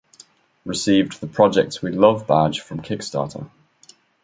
Received the "Projects We Love" Badge from Kickstarter.